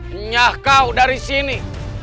menyah kau dari sini